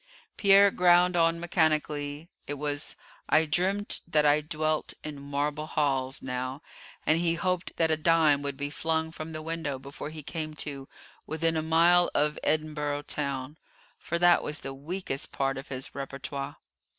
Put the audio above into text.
Pierre ground on mechanically; it was "I dreamt that I dwelt in Marble Halls" now, and he hoped that a dime would be flung from the window before he came to "Within a Mile of Edinboro' Town," for that was the weakest part of his repertoire.